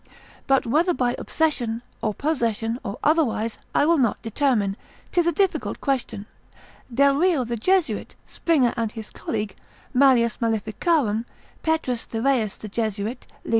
But whether by obsession, or possession, or otherwise, I will not determine; 'tis a difficult question. Delrio the Jesuit, Tom. 3. lib. 6. Springer and his colleague, mall. malef. Pet. Thyreus the Jesuit, lib.